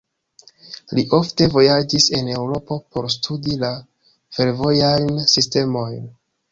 Li ofte vojaĝis en Eŭropo por studi la fervojajn sistemojn.